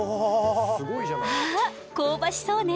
あ香ばしそうね。